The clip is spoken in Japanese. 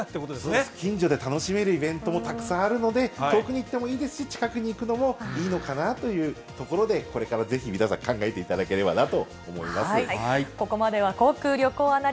そうです、近所で楽しめるイベントもたくさんあるので、遠くに行ってもいいですし、近くに行くのもいいのかなというところで、これからぜひ、皆さん、ここまでは、航空・旅行アナ